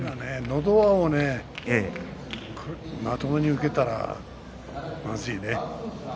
のど輪をまともに受けたらまずいよね。